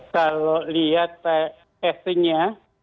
kalau lihat testingnya